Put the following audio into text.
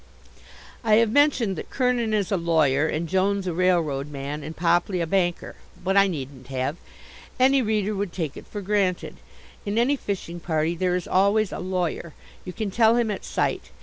I have mentioned that Kernin is a lawyer, and Jones a railroad man and Popley a banker. But I needn't have. Any reader would take it for granted. In any fishing party there is always a lawyer. You can tell him at sight.